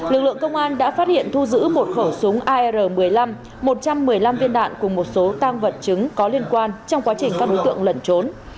lực lượng công an đã phát hiện thu giữ một khẩu súng ar một mươi năm một trăm một mươi năm viên đạn cùng một số tăng vật chứng có liên quan trong quá trình các đối tượng lẩn trốn